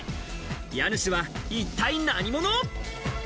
家主は一体何者？